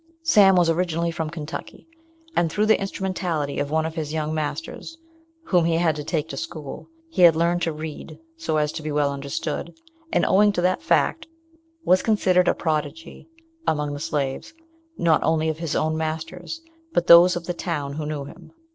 Sam was originally from Kentucky, and through the instrumentality of one of his young masters whom he had to take to school, he had learned to read so as to be well understood; and, owing to that fact, was considered a prodigy among the slaves, not only of his own master's, but those of the town who knew him.